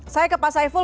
saya ke pak saiful